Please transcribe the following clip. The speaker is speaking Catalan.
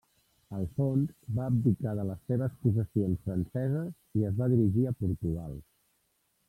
Alfons va abdicar de les seves possessions franceses i es va dirigir a Portugal.